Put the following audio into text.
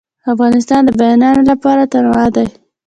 افغانستان د بامیان له پلوه متنوع دی.